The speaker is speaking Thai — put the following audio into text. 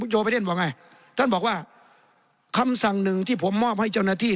โยไปเล่นบอกไงท่านบอกว่าคำสั่งหนึ่งที่ผมมอบให้เจ้าหน้าที่